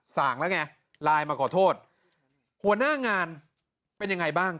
สั่งแล้วไงไลน์มาขอโทษหัวหน้างานเป็นยังไงบ้าง